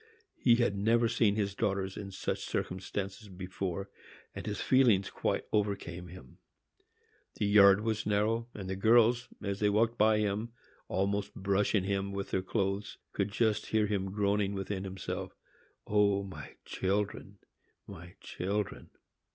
He had never seen his daughters in such circumstances before, and his feelings quite overcame him. The yard was narrow, and the girls, as they walked by him, almost brushing him with their clothes, could just hear him groaning within himself, "O, my children, my children!"